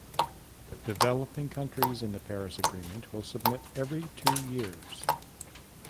Developing countries in the Paris Agreement will submit every two years.